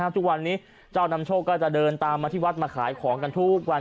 ทุกวันนี้เจ้านำโชคก็จะเดินตามมาที่วัดมาขายของกันทุกวัน